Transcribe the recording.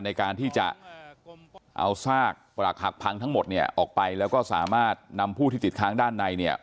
ในการที่จะเอาซากปรักหักพังทั้งหมดเนี่ยออกไปแล้วก็สามารถนำผู้ที่ติดค้างด้านในเนี่ย